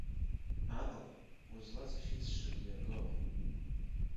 Амала, узлаҵашьыцшагьы акы ыҟоуп.